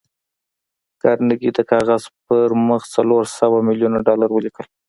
کارنګي د کاغذ پر مخ څلور سوه ميليونه ډالر ولیکل